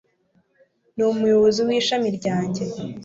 Ni umuyobozi w'ishami ryanjye.